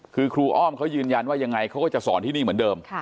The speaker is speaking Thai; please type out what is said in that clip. คือครูอ้อมเขายืนยันว่ายังไงเขาก็จะสอนที่นี่เหมือนเดิม